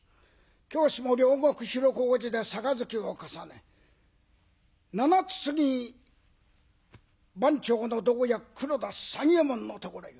今日しも両国広小路で杯を重ね七つ過ぎ番町の同役黒田三右衛門のところへ。